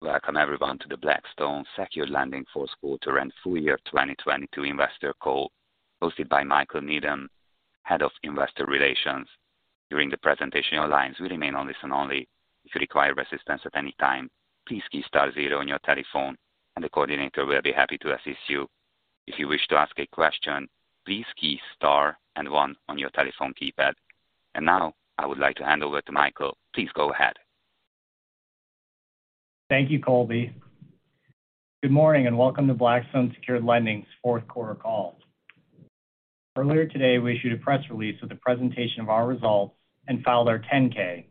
Welcome everyone to the Blackstone Secured Lending Fourth Quarter and Full Year 2022 investor call, hosted by Michael Needham, Head of Investor Relations. During the presentation, your lines will remain on listen only. If you require assistance at any time, please key star zero on your telephone and the coordinator will be happy to assist you. If you wish to ask a question, please key star and one on your telephone keypad. Now I would like to hand over to Michael. Please go ahead. Thank you, Colby. Good morning and welcome to Blackstone Secured Lending's fourth quarter call. Earlier today, we issued a press release with a presentation of our results and filed our 10-K,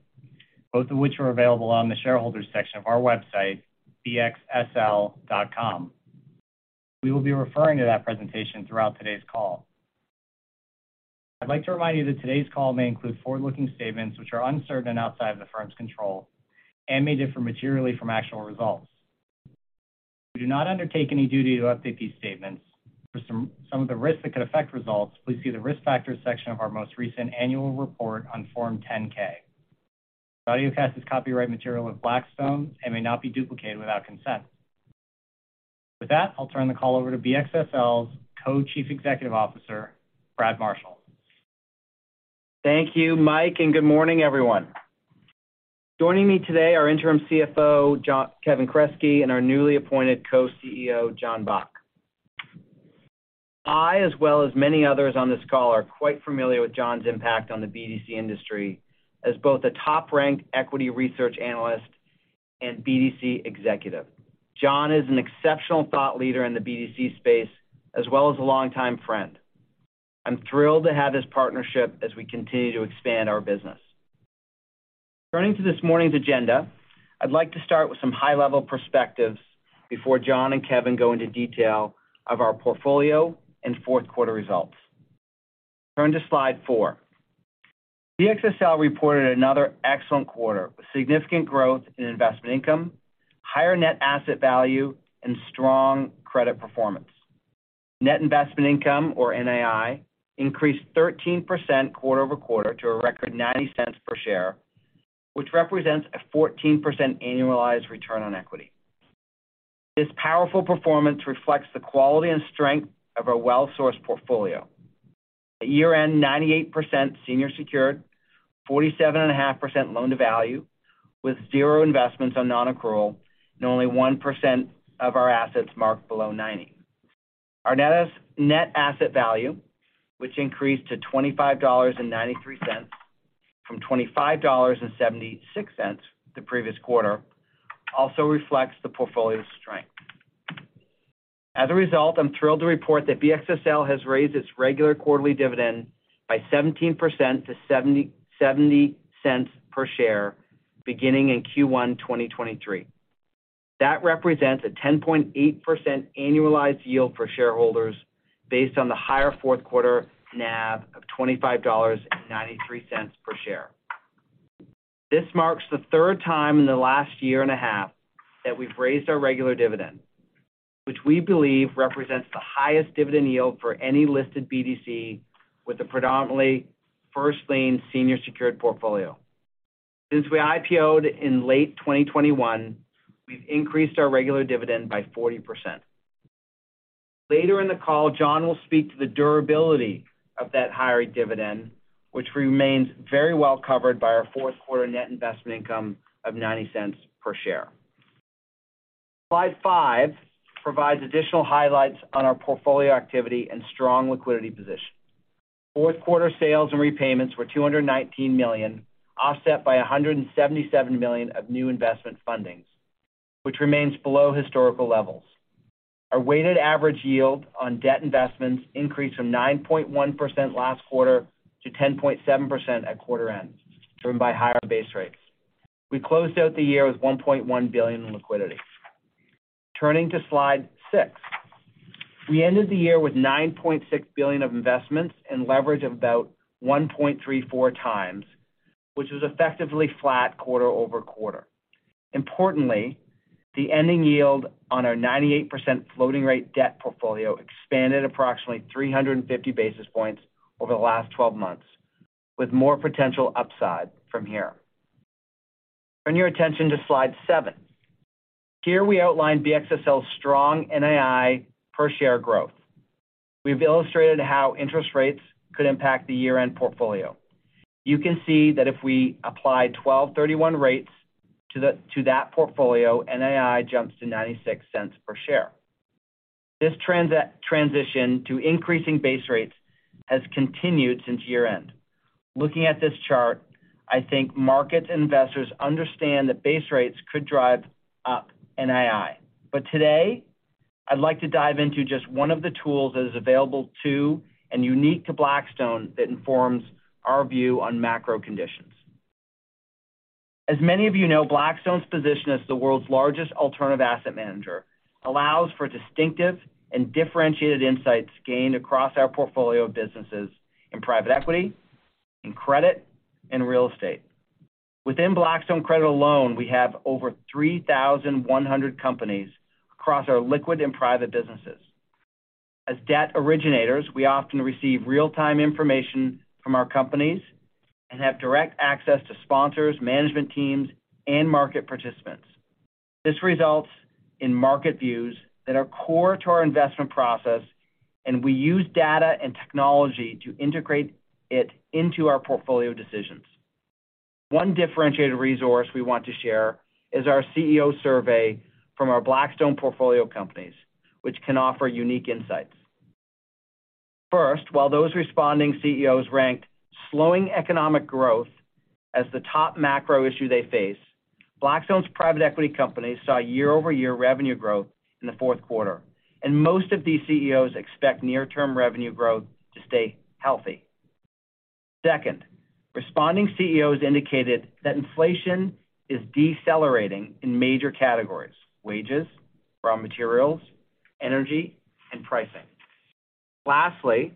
both of which are available on the shareholders section of our website, bxsl.com. We will be referring to that presentation throughout today's call. I'd like to remind you that today's call may include forward-looking statements which are uncertain and outside of the firm's control and may differ materially from actual results. We do not undertake any duty to update these statements. For some of the risks that could affect results, please see the Risk Factors section of our most recent annual report on form 10-K. This audio cast is copyright material of Blackstone and may not be duplicated without consent. I'll turn the call over to BXSL's Co-Chief Executive Officer, Brad Marshall. Thank you, Michael Needham, and good morning, everyone. Joining me today are interim CFO Kevin Kresge and our newly appointed Co-CEO, John Bock. I, as well as many others on this call, are quite familiar with John's impact on the BDC industry as both a top-ranked equity research analyst and BDC executive. John is an exceptional thought leader in the BDC space, as well as a longtime friend. I'm thrilled to have this partnership as we continue to expand our business. Turning to this morning's agenda, I'd like to start with some high-level perspectives before John and Kevin go into detail of our portfolio and fourth quarter results. Turn to slide four. BXSL reported another excellent quarter with significant growth in investment income, higher net asset value, and strong credit performance. Net investment income, or NAI, increased 13% quarter-over-quarter to a record $0.90 per share, which represents a 14% annualized return on equity. This powerful performance reflects the quality and strength of our well-sourced portfolio. At year-end, 98% senior secured, 47.5% loan-to-value, with zero investments on non-accrual, and only 1% of our assets marked below 90. Our net asset value, which increased to $25.93 from $25.76 the previous quarter, also reflects the portfolio's strength. As a result, I'm thrilled to report that BXSL has raised its regular quarterly dividend by 17% to $0.70 per share beginning in Q1 2023. That represents a 10.8% annualized yield for shareholders based on the higher fourth quarter NAV of $25.93 per share. This marks the third time in the last a year and a half that we've raised our regular dividend, which we believe represents the highest dividend yield for any listed BDC with a predominantly first-lien senior secured portfolio. Since we IPO'd in late 2021, we've increased our regular dividend by 40%. Later in the call, John will speak to the durability of that higher dividend, which remains very well covered by our fourth quarter net investment income of $0.90 per share. Slide five provides additional highlights on our portfolio activity and strong liquidity position. Fourth quarter sales and repayments were $219 million, offset by $177 million of new investment fundings, which remains below historical levels. Our weighted average yield on debt investments increased from 9.1% last quarter to 10.7% at quarter end, driven by higher base rates. We closed out the year with $1.1 billion in liquidity. Turning to slide six. We ended the year with $9.6 billion of investments and leverage of about 1.34x, which was effectively flat quarter-over-quarter. Importantly, the ending yield on our 98% floating rate debt portfolio expanded approximately 350 basis points over the last 12 months, with more potential upside from here. Turn your attention to slide seven. Here we outline BXSL's strong NAI per share growth. We've illustrated how interest rates could impact the year-end portfolio. You can see that if we apply 12/31 rates to that portfolio, NAI jumps to $0.96 per share. This transition to increasing base rates has continued since year-end. Looking at this chart, I think markets and investors understand that base rates could drive up NAI. Today, I'd like to dive into just one of the tools that is available to and unique to Blackstone that informs our view on macro conditions. As many of you know, Blackstone's position as the world's largest alternative asset manager allows for distinctive and differentiated insights gained across our portfolio of businesses in private equity, in credit, and real estate. Within Blackstone Credit alone, we have over 3,100 companies across our liquid and private businesses. As debt originators, we often receive real-time information from our companies and have direct access to sponsors, management teams, and market participants. This results in market views that are core to our investment process. We use data and technology to integrate it into our portfolio decisions. One differentiated resource we want to share is our CEO survey from our Blackstone portfolio companies, which can offer unique insights. First, while those responding CEOs ranked slowing economic growth as the top macro issue they face, Blackstone's private equity companies saw year-over-year revenue growth in the fourth quarter. Most of these CEOs expect near-term revenue growth to stay healthy. Second, responding CEOs indicated that inflation is decelerating in major categories: wages, raw materials, energy, and pricing. Lastly,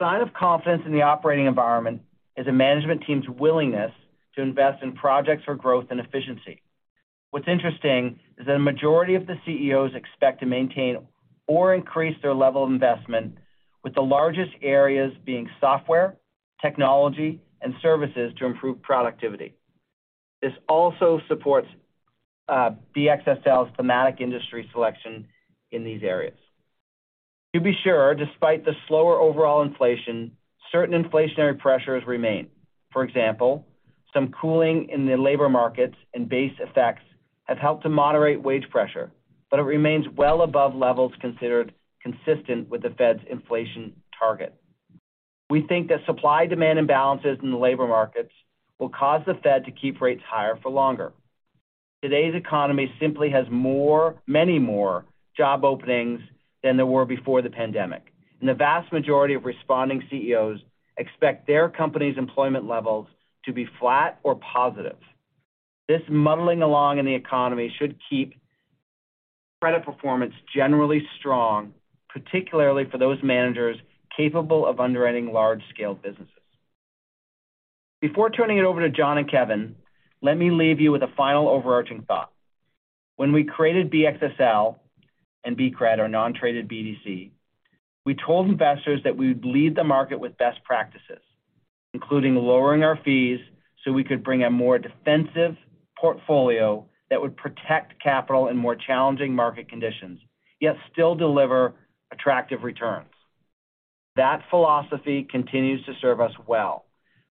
a sign of confidence in the operating environment is a management team's willingness to invest in projects for growth and efficiency. What's interesting is that a majority of the CEOs expect to maintain or increase their level of investment, with the largest areas being software, technology, and services to improve productivity. This also supports BXSL's thematic industry selection in these areas. To be sure, despite the slower overall inflation, certain inflationary pressures remain. For example, some cooling in the labor markets and base effects have helped to moderate wage pressure, but it remains well above levels considered consistent with the Fed's inflation target. We think that supply-demand imbalances in the labor markets will cause the Fed to keep rates higher for longer. Today's economy simply has more, many more job openings than there were before the pandemic. The vast majority of responding CEOs expect their company's employment levels to be flat or positive. This muddling along in the economy should keep credit performance generally strong, particularly for those managers capable of underwriting large-scale businesses. Before turning it over to John and Kevin, let me leave you with a final overarching thought. When we created BXSL and BCRED, our non-traded BDC, we told investors that we would lead the market with best practices, including lowering our fees so we could bring a more defensive portfolio that would protect capital in more challenging market conditions, yet still deliver attractive returns. That philosophy continues to serve us well.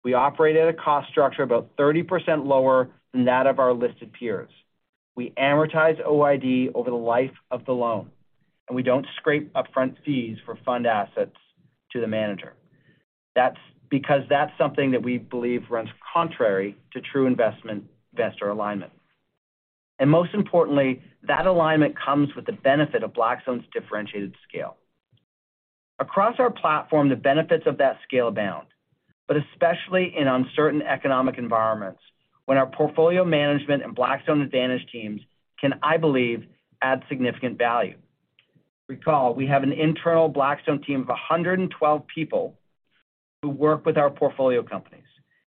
We operate at a cost structure about 30% lower than that of our listed peers. We amortize OID over the life of the loan, and we don't scrape upfront fees for fund assets to the manager. That's because that's something that we believe runs contrary to true investment-investor alignment. Most importantly, that alignment comes with the benefit of Blackstone's differentiated scale. Across our platform, the benefits of that scale abound, but especially in uncertain economic environments when our portfolio management and Blackstone Advantage teams can, I believe, add significant value. Recall, we have an internal Blackstone team of 112 people who work with our portfolio companies,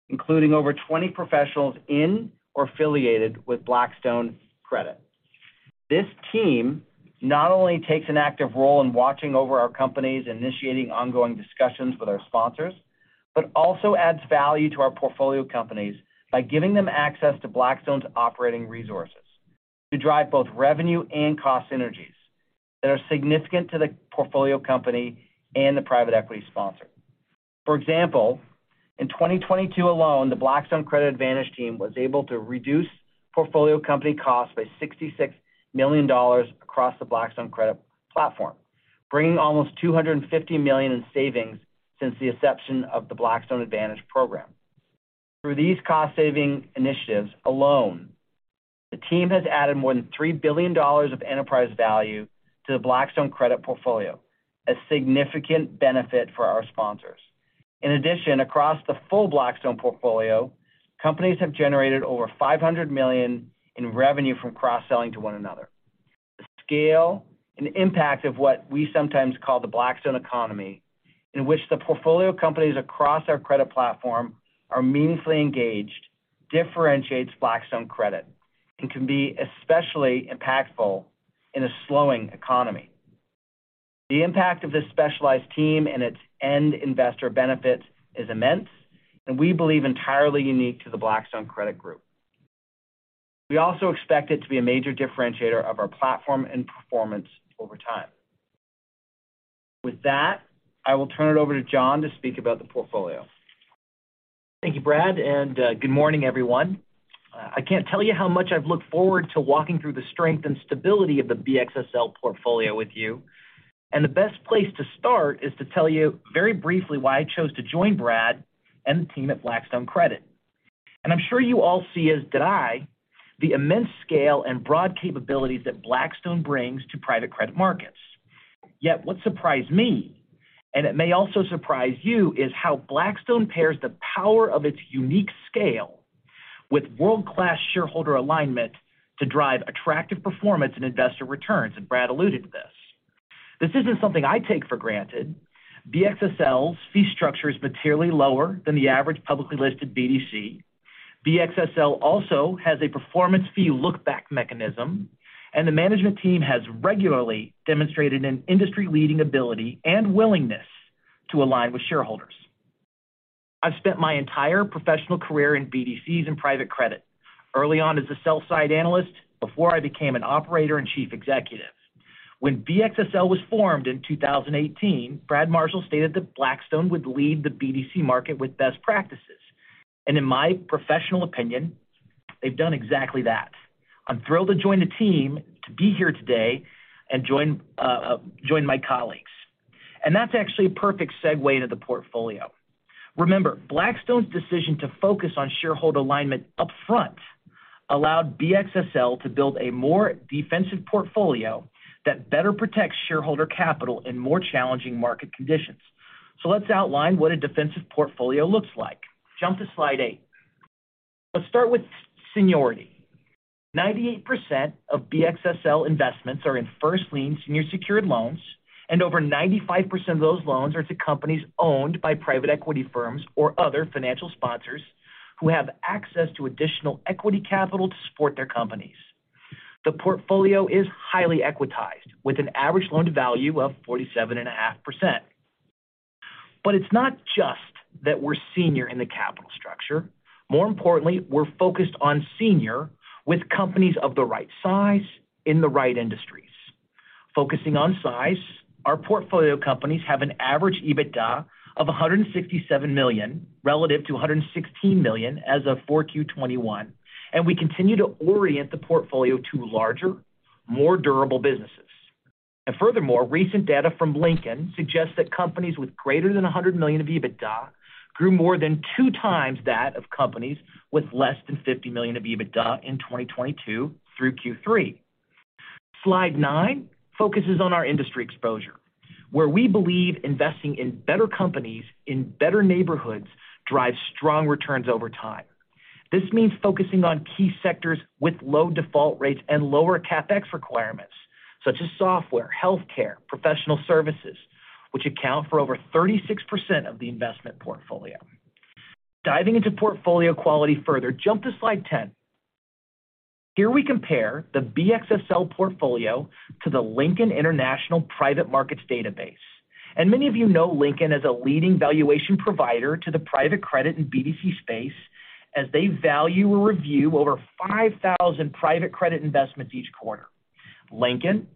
including over 20 professionals in or affiliated with Blackstone Credit. This team not only takes an active role in watching over our companies, initiating ongoing discussions with our sponsors, but also adds value to our portfolio companies by giving them access to Blackstone's operating resources to drive both revenue and cost synergies that are significant to the portfolio company and the private equity sponsor. For example, in 2022 alone, the Blackstone Credit Advantage team was able to reduce portfolio company costs by $66 million across the Blackstone Credit platform, bringing almost $250 million in savings since the inception of the Blackstone Advantage program. Through these cost-saving initiatives alone, the team has added more than $3 billion of enterprise value to the Blackstone Credit portfolio, a significant benefit for our sponsors. In addition, across the full Blackstone portfolio, companies have generated over $500 million in revenue from cross-selling to one another. The scale and impact of what we sometimes call the Blackstone economy, in which the portfolio companies across our credit platform are meaningfully engaged, differentiates Blackstone Credit and can be especially impactful in a slowing economy. The impact of this specialized team and its end investor benefit is immense, and we believe entirely unique to the Blackstone Credit Group. We also expect it to be a major differentiator of our platform and performance over time. With that, I will turn it over to John to speak about the portfolio. Thank you, Brad, and good morning, everyone. I can't tell you how much I've looked forward to walking through the strength and stability of the BXSL portfolio with you. The best place to start is to tell you very briefly why I chose to join Brad and the team at Blackstone Credit. I'm sure you all see, as did I, the immense scale and broad capabilities that Blackstone brings to private credit markets. Yet what surprised me, and it may also surprise you, is how Blackstone pairs the power of its unique scale with world-class shareholder alignment to drive attractive performance and investor returns, and Brad alluded to this. This isn't something I take for granted. BXSL's fee structure is materially lower than the average publicly listed BDC. BXSL also has a performance fee look back mechanism, the management team has regularly demonstrated an industry-leading ability and willingness to align with shareholders. I've spent my entire professional career in BDCs and private credit, early on as a sell-side analyst before I became an operator and chief executive. When BXSL was formed in 2018, Brad Marshall stated that Blackstone would lead the BDC market with best practices. In my professional opinion, they've done exactly that. I'm thrilled to join the team to be here today and join my colleagues. That's actually a perfect segue into the portfolio. Remember, Blackstone's decision to focus on shareholder alignment upfront allowed BXSL to build a more defensive portfolio that better protects shareholder capital in more challenging market conditions. Let's outline what a defensive portfolio looks like. Jump to slide eight. Let's start with seniority. 98% of BXSL investments are in first-lien senior secured loans, and over 95% of those loans are to companies owned by private equity firms or other financial sponsors who have access to additional equity capital to support their companies. The portfolio is highly equitized with an average loan-to-value of 47.5%. It's not just that we're senior in the capital structure. More importantly, we're focused on senior with companies of the right size in the right industries. Focusing on size, our portfolio companies have an average EBITDA of $167 million relative to $116 million as of 4Q 2021, and we continue to orient the portfolio to larger, more durable businesses. Furthermore, recent data from Lincoln suggests that companies with greater than $100 million of EBITDA grew more than two times that of companies with less than $50 million of EBITDA in 2022 through Q3. Slide nine focuses on our industry exposure, where we believe investing in better companies in better neighborhoods drives strong returns over time. This means focusing on key sectors with low default rates and lower CapEx requirements, such as software, healthcare, professional services, which account for over 36% of the investment portfolio. Diving into portfolio quality further, jump to Slide 10. Here we compare the BXSL portfolio to the Lincoln International Private Markets database. Many of you know Lincoln as a leading valuation provider to the private credit and BDC space as they value or review over 5,000 private credit investments each quarter. Lincoln,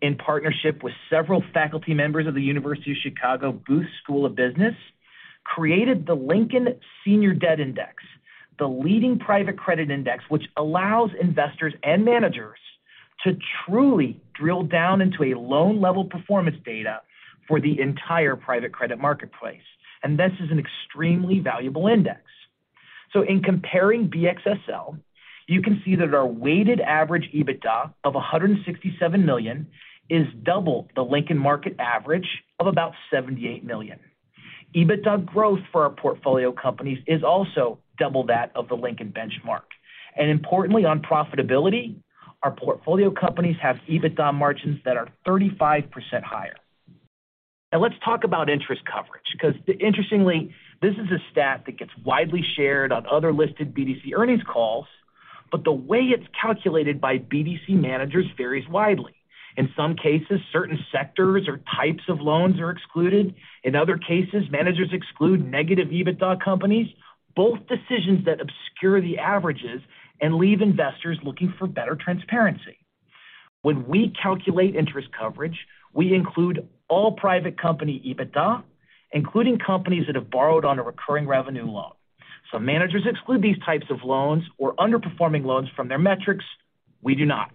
in partnership with several faculty members of the University of Chicago Booth School of Business, created the Lincoln Senior Debt Index, the leading private credit index which allows investors and managers to truly drill down into a loan-level performance data for the entire private credit marketplace. This is an extremely valuable index. In comparing BXSL, you can see that our weighted average EBITDA of $167 million is double the Lincoln market average of about $78 million. EBITDA growth for our portfolio companies is also double that of the Lincoln benchmark. Importantly, on profitability, our portfolio companies have EBITDA margins that are 35% higher. Now let's talk about interest coverage because interestingly, this is a stat that gets widely shared on other listed BDC earnings calls, but the way it's calculated by BDC managers varies widely. In some cases, certain sectors or types of loans are excluded. In other cases, managers exclude negative EBITDA companies, both decisions that obscure the averages and leave investors looking for better transparency. When we calculate interest coverage, we include all private company EBITDA, including companies that have borrowed on a recurring revenue loan. Some managers exclude these types of loans or underperforming loans from their metrics. We do not.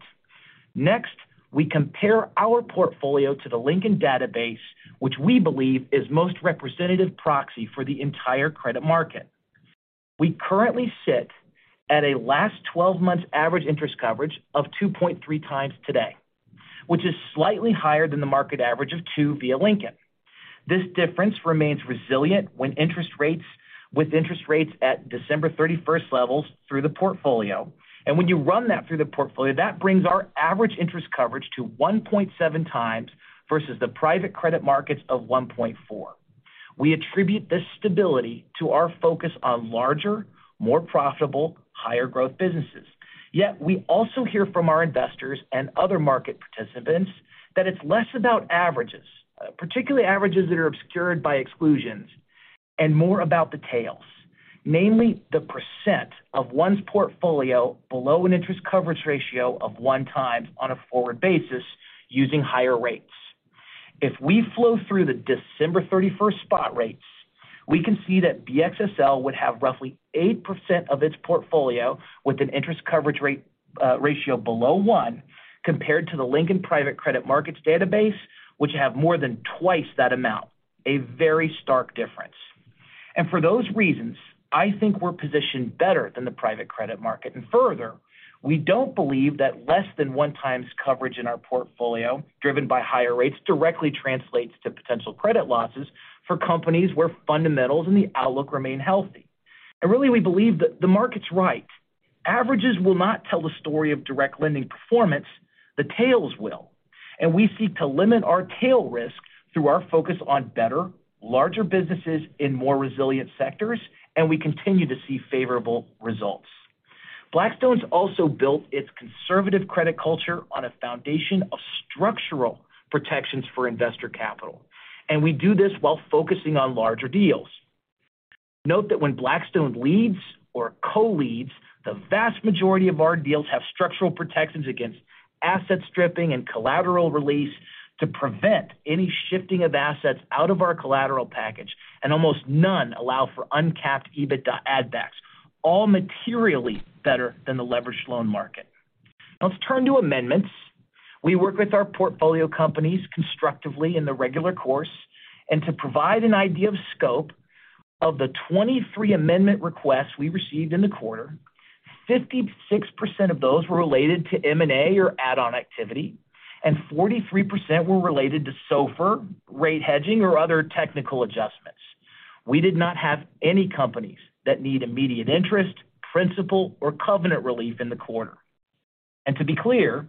Next, we compare our portfolio to the Lincoln database, which we believe is most representative proxy for the entire credit market. We currently sit at a last twelve months average interest coverage of 2.3x today, which is slightly higher than the market average of 2x via Lincoln. This difference remains resilient with interest rates at December 31st levels through the portfolio. When you run that through the portfolio, that brings our average interest coverage to 1.7 times versus the private credit markets of 1.4. We attribute this stability to our focus on larger, more profitable, higher growth businesses. Yet we also hear from our investors and other market participants that it's less about averages, particularly averages that are obscured by exclusions, and more about the tails. Namely, the percent of one's portfolio below an interest coverage ratio of 1x on a forward basis using higher rates. If we flow through the December 31st spot rates, we can see that BXSL would have roughly 8% of its portfolio with an interest coverage ratio below 1 compared to the Lincoln Private Credit Markets database, which have more than twice that amount. A very stark difference. For those reasons, I think we're positioned better than the private credit market. Further, we don't believe that less than 1x coverage in our portfolio driven by higher rates directly translates to potential credit losses for companies where fundamentals and the outlook remain healthy. Really, we believe that the market's right. Averages will not tell the story of direct lending performance. The tails will. We seek to limit our tail risk through our focus on better, larger businesses in more resilient sectors, and we continue to see favorable results. Blackstone's also built its conservative credit culture on a foundation of structural protections for investor capital. We do this while focusing on larger deals. Note that when Blackstone leads or co-leads, the vast majority of our deals have structural protections against asset stripping and collateral release to prevent any shifting of assets out of our collateral package, and almost none allow for uncapped EBITDA add backs, all materially better than the leveraged loan market. Let's turn to amendments. We work with our portfolio companies constructively in the regular course. To provide an idea of scope of the 23 amendment requests we received in the quarter, 56% of those were related to M&A or add-on activity, and 43% were related to SOFR, rate hedging, or other technical adjustments. We did not have any companies that need immediate interest, principal, or covenant relief in the quarter. To be clear,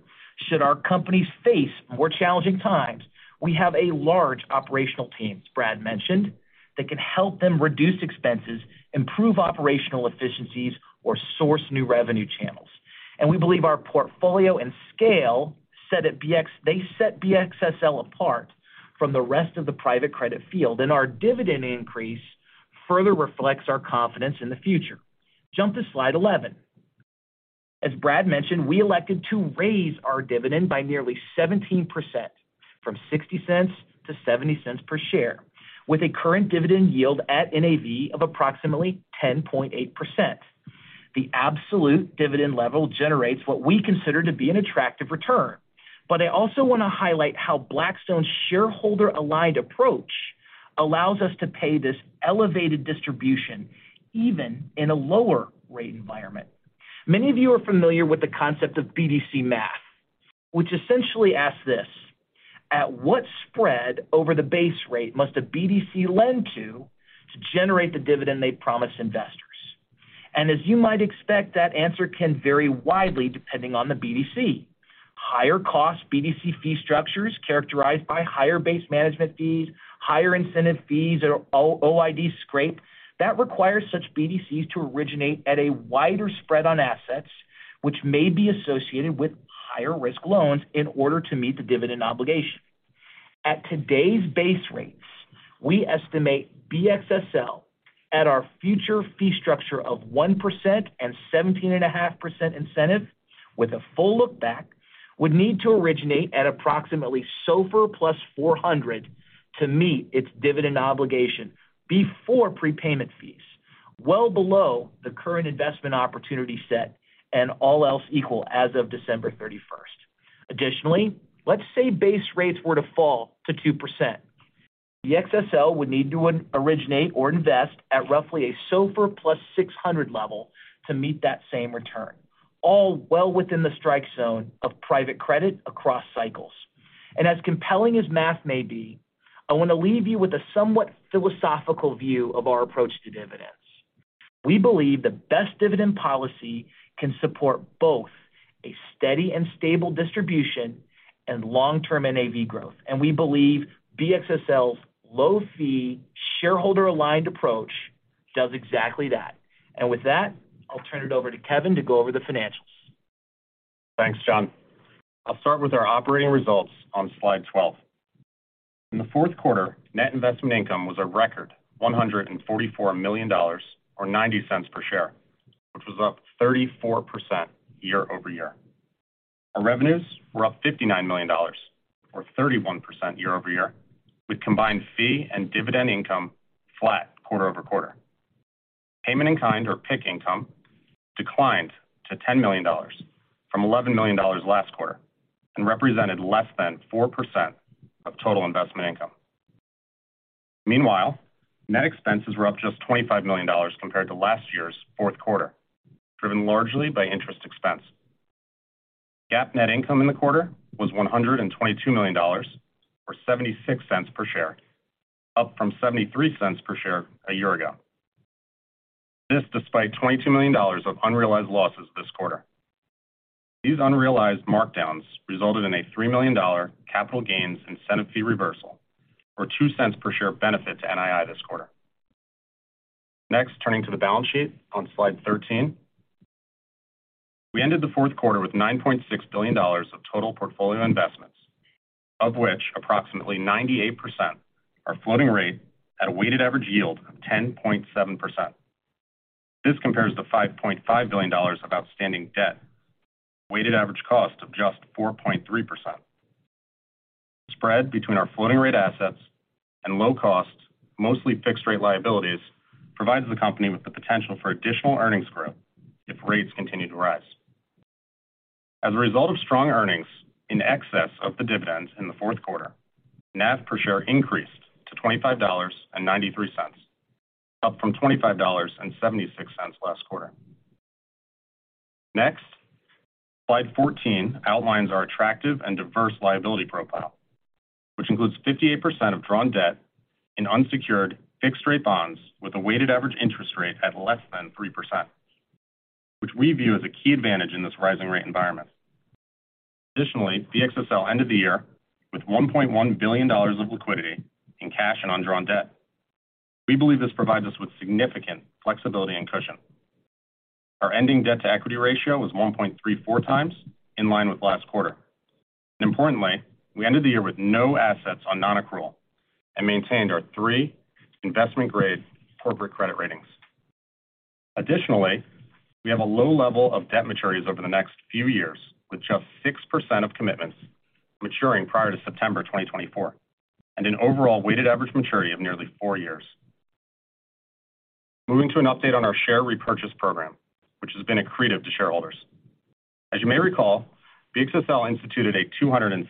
should our companies face more challenging times, we have a large operational team, as Brad mentioned, that can help them reduce expenses, improve operational efficiencies, or source new revenue channels. We believe our portfolio and scale set BXSL apart from the rest of the private credit field. Our dividend increase further reflects our confidence in the future. Jump to slide 11. As Brad mentioned, we elected to raise our dividend by nearly 17% from $0.60 to $0.70 per share, with a current dividend yield at NAV of approximately 10.8%. The absolute dividend level generates what we consider to be an attractive return. I also wanna highlight how Blackstone's shareholder-aligned approach allows us to pay this elevated distribution even in a lower rate environment. Many of you are familiar with the concept of BDC math, which essentially asks this: at what spread over the base rate must a BDC lend to generate the dividend they promise investors? As you might expect, that answer can vary widely depending on the BDC. Higher cost BDC fee structures characterized by higher base management fees, higher incentive fees or OID scrape, that requires such BDCs to originate at a wider spread on assets, which may be associated with higher risk loans in order to meet the dividend obligation. At today's base rates, we estimate BXSL at our future fee structure of 1% and 17.5% incentive with a full look back, would need to originate at approximately SOFR plus 400 to meet its dividend obligation before prepayment fees, well below the current investment opportunity set and all else equal as of December 31st. Let's say base rates were to fall to 2%. BXSL would need to originate or invest at roughly a SOFR plus 600 level to meet that same return, all well within the strike zone of private credit across cycles. As compelling as math may be, I wanna leave you with a somewhat philosophical view of our approach to dividends. We believe the best dividend policy can support both a steady and stable distribution and long-term NAV growth. We believe BXSL's low fee shareholder-aligned approach does exactly that. With that, I'll turn it over to Kevin to go over the financials. Thanks, John. I'll start with our operating results on slide 12. In the fourth quarter, net investment income was a record $144 million or $0.90 per share, which was up 34% year-over-year. Our revenues were up $59 million or 31% year-over-year, with combined fee and dividend income flat quarter-over-quarter. Payment in kind or PIC income declined to $10 million from $11 million last quarter and represented less than 4% of total investment income. Net expenses were up just $25 million compared to last year's fourth quarter, driven largely by interest expense. GAAP net income in the quarter was $122 million or $0.76 per share, up from $0.73 per share a year ago. This despite $22 million of unrealized losses this quarter. These unrealized markdowns resulted in a $3 million capital gains incentive fee reversal or $0.02 per share benefit to NII this quarter. Turning to the balance sheet on slide 13. We ended the fourth quarter with $9.6 billion of total portfolio investments, of which approximately 98% are floating rate at a weighted average yield of 10.7%. This compares to $5.5 billion of outstanding debt, weighted average cost of just 4.3%. The spread between our floating rate assets and low cost, mostly fixed rate liabilities, provides the company with the potential for additional earnings growth if rates continue to rise. As a result of strong earnings in excess of the dividends in the fourth quarter, NAV per share increased to $25.93, up from $25.76 last quarter. Next, slide 14 outlines our attractive and diverse liability profile, which includes 58% of drawn debt in unsecured fixed rate bonds with a weighted average interest rate at less than 3%. Which we view as a key advantage in this rising rate environment. Additionally, BXSL ended the year with $1.1 billion of liquidity in cash and undrawn debt. We believe this provides us with significant flexibility and cushion. Our ending debt to equity ratio was 1.34 times, in line with last quarter. Importantly, we ended the year with no assets on non-accrual and maintained our three investment grade corporate credit ratings. Additionally, we have a low level of debt maturities over the next few years, with just 6% of commitments maturing prior to September 2024, and an overall weighted average maturity of nearly four years. Moving to an update on our share repurchase program, which has been accretive to shareholders. As you may recall, BXSL instituted a $262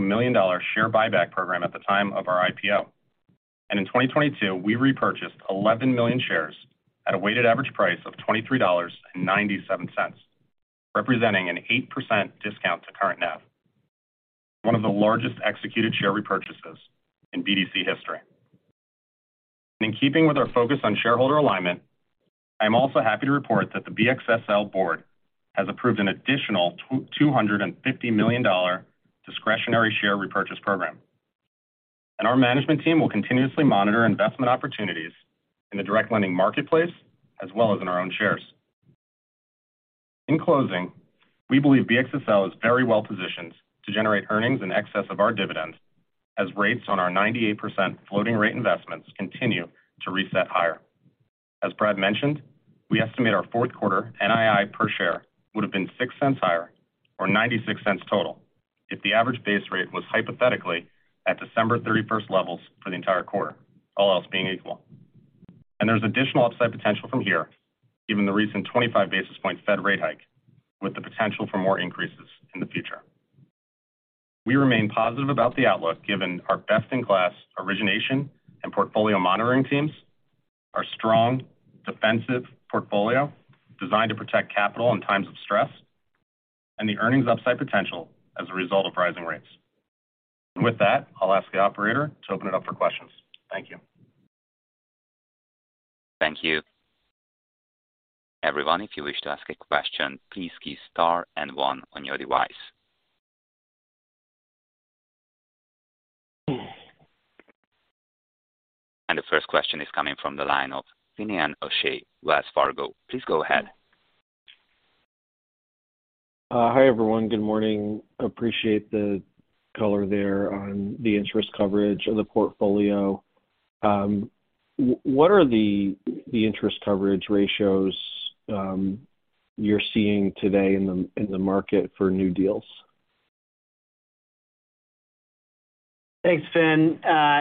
million share buyback program at the time of our IPO. In 2022, we repurchased 11 million shares at a weighted average price of $23.97, representing an 8% discount to current net. One of the largest executed share repurchases in BDC history. In keeping with our focus on shareholder alignment, I am also happy to report that the BXSL board has approved an additional $250 million discretionary share repurchase program. Our management team will continuously monitor investment opportunities in the direct lending marketplace as well as in our own shares. In closing, we believe BXSL is very well positioned to generate earnings in excess of our dividends as rates on our 98% floating rate investments continue to reset higher. As Brad mentioned, we estimate our fourth quarter NII per share would have been $0.06 higher, or $0.96 total, if the average base rate was hypothetically at December 31st levels for the entire quarter, all else being equal. There's additional upside potential from here, given the recent 25 basis point Fed rate hike, with the potential for more increases in the future. We remain positive about the outlook given our best-in-class origination and portfolio monitoring teams, our strong defensive portfolio designed to protect capital in times of stress, and the earnings upside potential as a result of rising rates. With that, I'll ask the operator to open it up for questions. Thank you. Thank you. Everyone, if you wish to ask a question, please key star and one on your device. The first question is coming from the line of Finian O'Shea, Wells Fargo. Please go ahead. Hi, everyone. Good morning. Appreciate the color there on the interest coverage of the portfolio. What are the interest coverage ratios you're seeing today in the market for new deals? Thanks, Fin.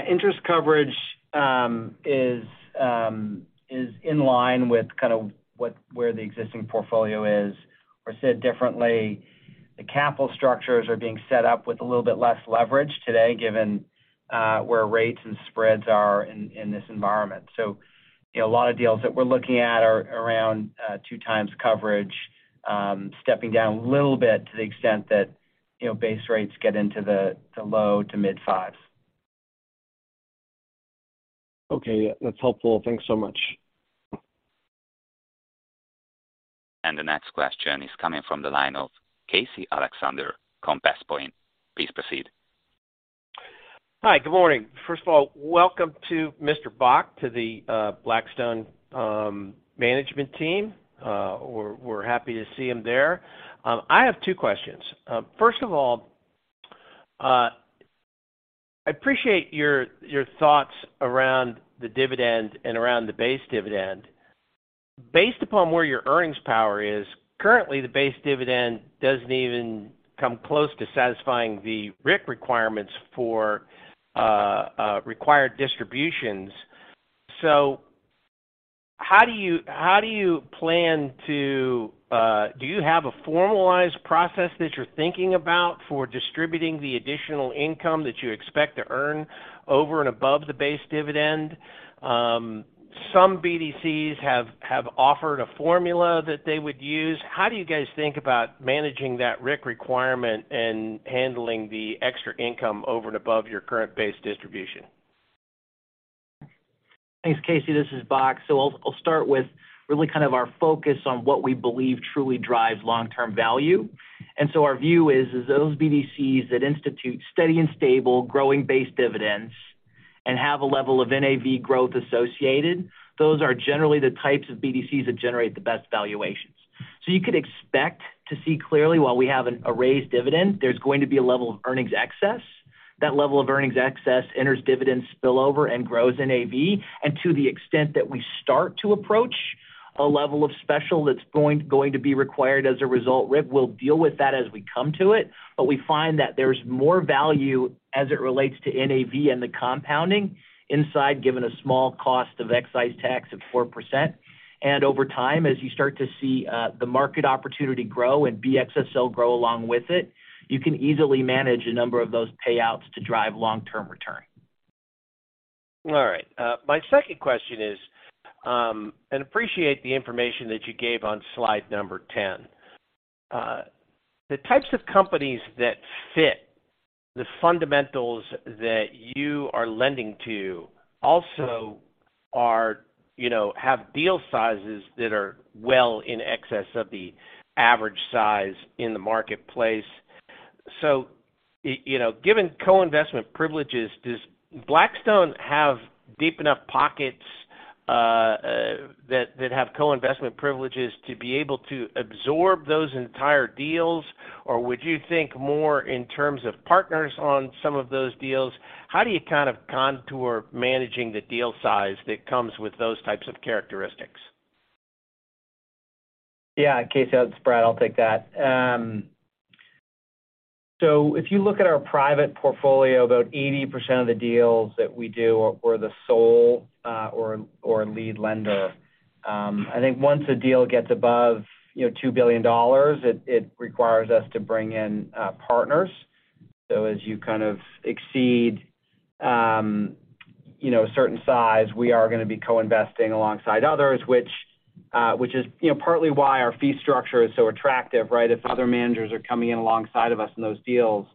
Interest coverage is in line with kind of where the existing portfolio is. Said differently, the capital structures are being set up with a little bit less leverage today given where rates and spreads are in this environment. You know, a lot of deals that we're looking at are around 2x coverage, stepping down a little bit to the extent that, you know, base rates get into the low to mid 5s. Okay. That's helpful. Thanks so much. The next question is coming from the line of Casey Alexander, Compass Point. Please proceed. Hi, good morning. First of all, welcome to Mr. Bock, to the Blackstone management team. We're happy to see him there. I have two questions. First of all, I appreciate your thoughts around the dividend and around the base dividend. Based upon where your earnings power is, currently, the base dividend doesn't even come close to satisfying the RIC requirements for required distributions. How do you plan to, do you have a formalized process that you're thinking about for distributing the additional income that you expect to earn over and above the base dividend? Some BDCs have offered a formula that they would use. How do you guys think about managing that RIC requirement and handling the extra income over and above your current base distribution? Thanks, Casey. This is Bock. I'll start with really kind of our focus on what we believe truly drives long-term value. Our view is those BDCs that institute steady and stable growing base dividends and have a level of NAV growth associated, those are generally the types of BDCs that generate the best valuations. You could expect to see clearly while we have a raised dividend, there's going to be a level of earnings excess. That level of earnings excess enters dividend spillover and grows NAV. To the extent that we start to approach a level of special that's going to be required as a result, we'll deal with that as we come to it. We find that there's more value as it relates to NAV and the compounding inside, given a small cost of excise tax of 4%. Over time, as you start to see, the market opportunity grow and BXSL grow along with it, you can easily manage a number of those payouts to drive long-term return. All right. My second question is, appreciate the information that you gave on slide number 10. The types of companies that fit the fundamentals that you are lending to also are, you know, have deal sizes that are well in excess of the average size in the marketplace. You know, given co-investment privileges, does Blackstone have deep enough pockets that have co-investment privileges to be able to absorb those entire deals? Would you think more in terms of partners on some of those deals? How do you kind of contour managing the deal size that comes with those types of characteristics? Yeah, Casey, it's Brad. I'll take that. If you look at our private portfolio, about 80% of the deals that we do are the sole or lead lender. I think once a deal gets above, you know, $2 billion, it requires us to bring in partners. As you kind of exceed, you know, a certain size, we are gonna be co-investing alongside others, which is, you know, partly why our fee structure is so attractive, right? If other managers are coming in alongside of us in those deals,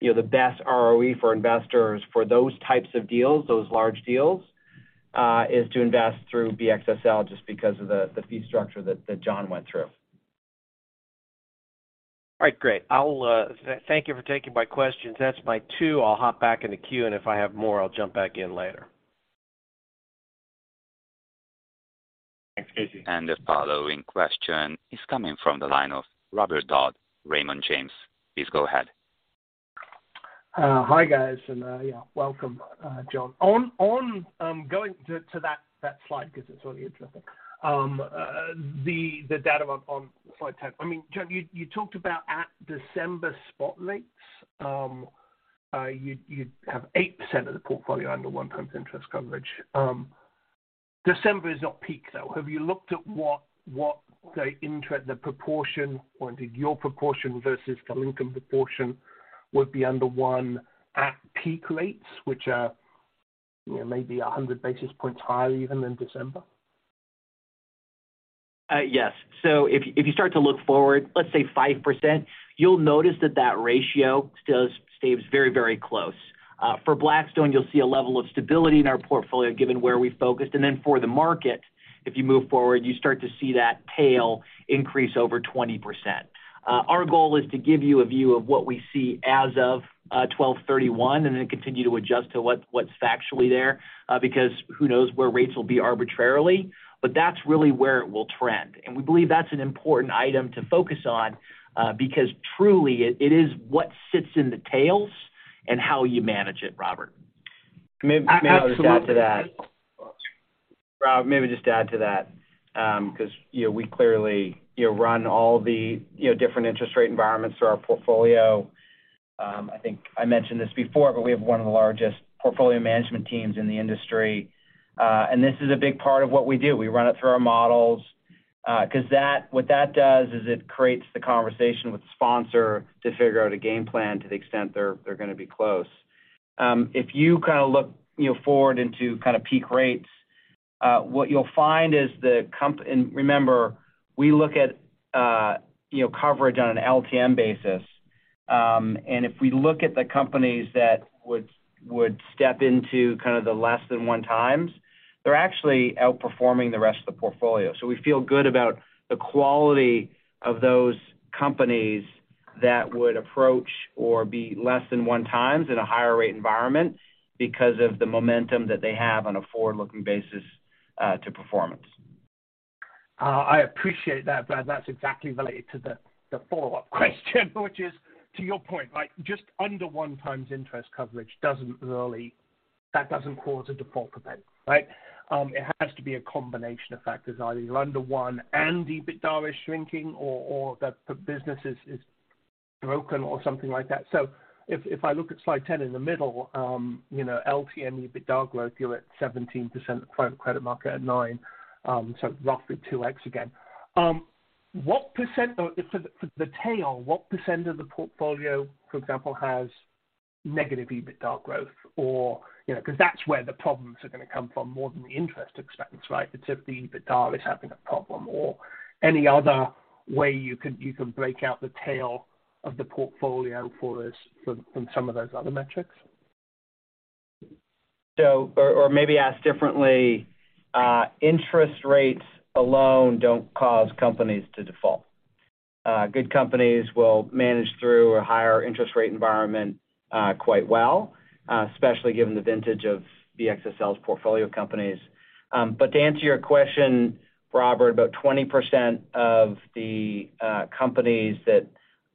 you know, the best ROE for investors for those types of deals, those large deals, is to invest through BXSL just because of the fee structure that John went through. All right, great. I'll thank you for taking my questions. That's my two. I'll hop back in the queue, and if I have more, I'll jump back in later. Thanks, Casey. The following question is coming from the line of Robert Dodd, Raymond James. Please go ahead. Hi, guys. Yeah, welcome, John. On going to that slide because it's really interesting. The data on slide 10. I mean, John, you talked about at December spot rates, you have 8% of the portfolio under 1 times interest coverage. December is not peak, though. Have you looked at what the proportion or indeed your proportion versus the Lincoln proportion would be under one at peak rates, which are, you know, maybe 100 basis points higher even than December? Yes. If you start to look forward, let's say 5%, you'll notice that that ratio still stays very, very close. For Blackstone, you'll see a level of stability in our portfolio given where we focused. For the market, if you move forward, you start to see that tail increase over 20%. Our goal is to give you a view of what we see as of 12/31 and then continue to adjust to what's factually there, because who knows where rates will be arbitrarily. That's really where it will trend. We believe that's an important item to focus on, because truly it is what sits in the tails and how you manage it, Robert. Absolutely. Rob, maybe just add to that, 'cause, you know, we clearly, you know, run all the, you know, different interest rate environments through our portfolio. I think I mentioned this before, but we have one of the largest portfolio management teams in the industry. This is a big part of what we do. We run it through our models, 'cause what that does is it creates the conversation with the sponsor to figure out a game plan to the extent they're gonna be close. If you kind of look, you know, forward into kind of peak rates, what you'll find is the comp... Remember, we look at, you know, coverage on an LTM basis. If we look at the companies that would step into kind of the less than 1x, they're actually outperforming the rest of the portfolio. We feel good about the quality of those companies that would approach or be less than 1x in a higher rate environment because of the momentum that they have on a forward-looking basis to performance. I appreciate that, Brad. That's exactly related to the follow-up question, which is, to your point, like, just under 1x interest coverage doesn't really. That doesn't cause a default event, right? It has to be a combination of factors. Either you're under one and the EBITDA is shrinking or the business is broken or something like that. If I look at slide 10 in the middle, you know, LTM EBITDA growth, you're at 17%, credit market at 9, so roughly 2x again. What percent? For the tail, what percent of the portfolio, for example, has negative EBITDA growth? you know, because that's where the problems are gonna come from more than the interest expense, right? It's if the EBITDA is having a problem or any other way you could break out the tail of the portfolio for us from some of those other metrics. Or maybe asked differently, interest rates alone don't cause companies to default. Good companies will manage through a higher interest rate environment, quite well, especially given the vintage of BXSL's portfolio companies. To answer your question, Robert, about 20% of the companies that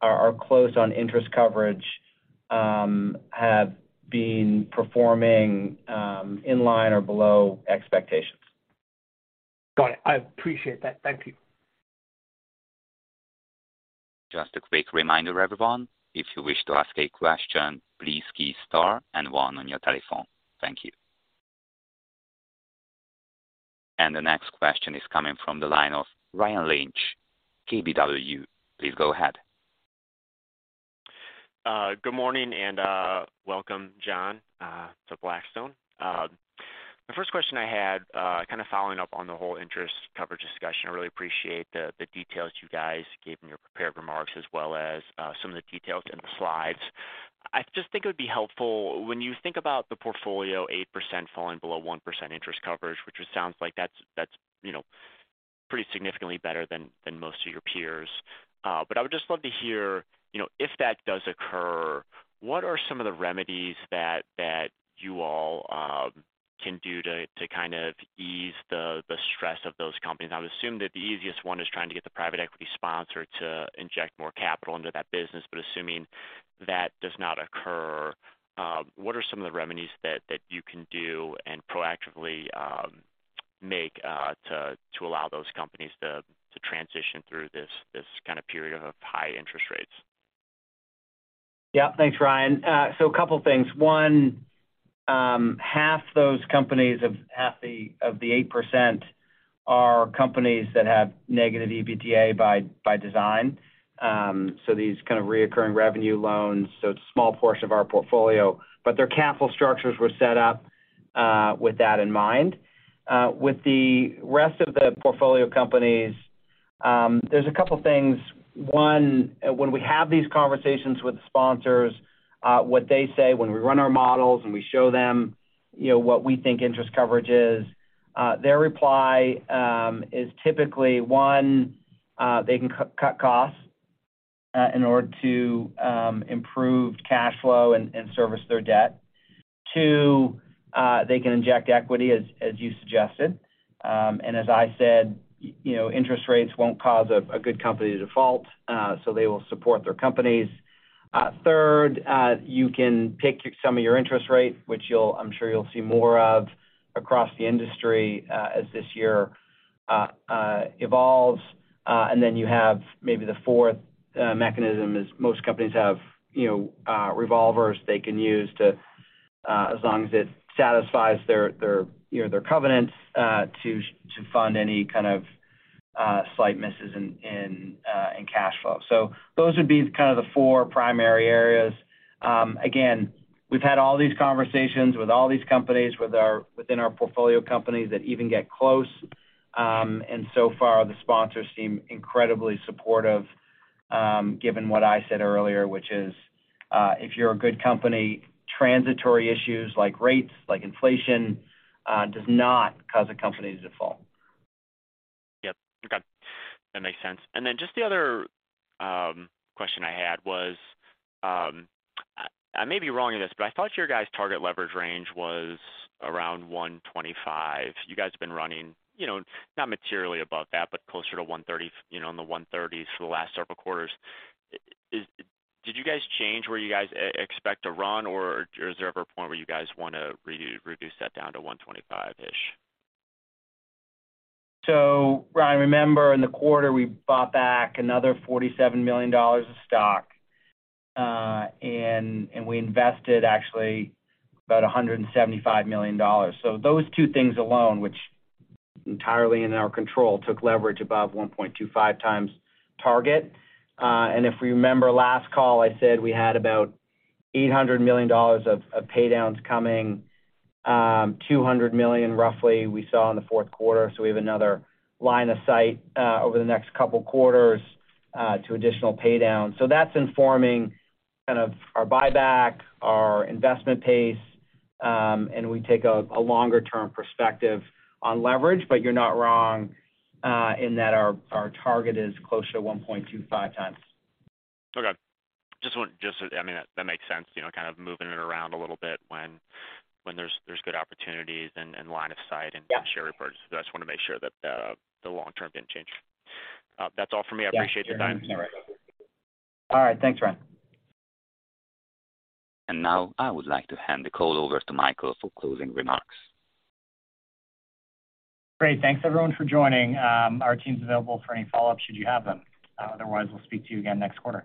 are close on interest coverage, have been performing in line or below expectations. Got it. I appreciate that. Thank you. Just a quick reminder, everyone. If you wish to ask a question, please key star and one on your telephone. Thank you. The next question is coming from the line of Ryan Lynch, KBW. Please go ahead. Good morning and welcome, John, to Blackstone. The first question I had, kind of following up on the whole interest coverage discussion. I really appreciate the details you guys gave in your prepared remarks as well as, some of the details in the slides. I just think it would be helpful when you think about the portfolio, 8% falling below 1% interest coverage, which it sounds like that's, you know, pretty significantly better than most of your peers. I would just love to hear, you know, if that does occur, what are some of the remedies that you all can do to kind of ease the stress of those companies? I would assume that the easiest one is trying to get the private equity sponsor to inject more capital into that business. Assuming that does not occur, what are some of the remedies that you can do and proactively make to allow those companies to transition through this kind of period of high interest rates? Yeah. Thanks, Ryan. A couple things. One, half those companies of the 8% are companies that have negative EBITDA by design. These kind of recurring revenue loans, so it's a small portion of our portfolio, but their capital structures were set up with that in mind. With the rest of the portfolio companies, there's a couple things. One, when we have these conversations with the sponsors, what they say when we run our models and we show them, you know, what we think interest coverage is, their reply is typically, one, they can cut costs in order to improve cash flow and service their debt. Two, they can inject equity as you suggested. As I said, you know, interest rates won't cause a good company to default, so they will support their companies. Third, you can pick some of your interest rate, which I'm sure you'll see more of across the industry, as this year evolves. Then you have maybe the fourth mechanism is most companies have, you know, revolvers they can use to as long as it satisfies their, you know, their covenants, to fund any kind of slight misses in cash flow. Those would be kind of the four primary areas. Again, we've had all these conversations with all these companies within our portfolio companies that even get close. So far the sponsors seem incredibly supportive, given what I said earlier, which is, if you're a good company, transitory issues like rates, like inflation, does not cause a company to default. Yep. Okay. That makes sense. Just the other question I had was, I may be wrong in this, but I thought your guys target leverage range was around 1.25. You guys have been running, you know, not materially above that, but closer to 1.30, you know, in the 1.30s for the last several quarters. Did you guys change where you guys expect to run, or is there ever a point where you guys wanna reduce that down to 1.25-ish? Ryan, remember in the quarter we bought back another $47 million of stock, and we invested actually about $175 million. Those two things alone, which entirely in our control, took leverage above 1.25 times target. If we remember last call, I said we had about $800 million of pay downs coming. $200 million roughly we saw in the fourth quarter. We have another line of sight over the next couple quarters to additional pay downs. That's informing kind of our buyback, our investment pace, and we take a longer term perspective on leverage. You're not wrong, in that our target is closer to 1.25 times. Okay. I mean, that makes sense, you know, kind of moving it around a little bit when there's good opportunities and line of sight. Yeah. Share reports. I just wanna make sure that the long term didn't change. That's all for me. I appreciate your time. Yeah. No worries. All right. Thanks, Ryan. Now I would like to hand the call over to Michael for closing remarks. Great. Thanks everyone for joining. Our team's available for any follow-up should you have them. Otherwise, we'll speak to you again next quarter.